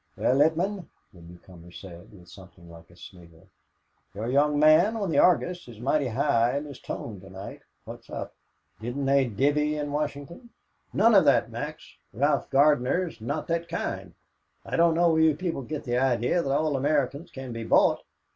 "Well, Littman," the newcomer said, with something like a sneer, "your young man on the Argus is mighty high in his tone to night. What's up? Didn't they divvy in Washington?" "None of that, Max. Ralph Gardner's not that kind. I don't know where you people get the idea that all Americans can be bought.